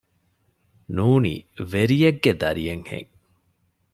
ނޫނީ ވެރިޔެއްގެ ދަރިއެއް ހެން